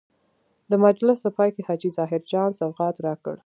د مجلس په پای کې حاجي ظاهر جان سوغات راکړ.